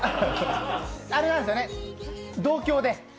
あれなんですよね、同郷で。